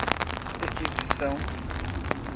requisição